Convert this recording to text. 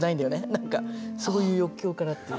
何かそういう欲求からっていう。